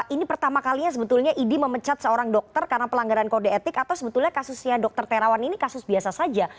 ini pertama kalinya sebetulnya idi memecat seorang dokter karena pelanggaran kode etik atau sebetulnya kasusnya dr terawan ini kasus biasa saja